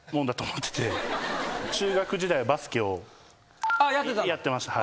中学時代はバスケをやってました。